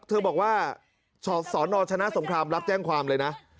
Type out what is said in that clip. เธอบอกว่าสนชนะสงครามรับแจ้งความเลยนะ